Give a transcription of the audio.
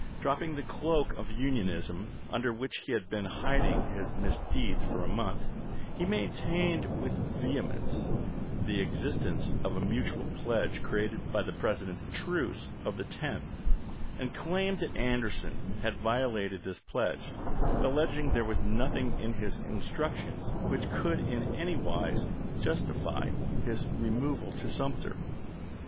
Dropping the cloak of Unionism AHoit,r' under which he had been hiding his misdeeds for CBanqueT a month, he maintained with vehemence the exist mwtedk ence of a mutual pledge created by the President's Oct., 1870. truce of the 10th, and claimed that Anderson had violated this pledge, alleging there was nothing in his instructions which could in any wise justify his removal to Sumter.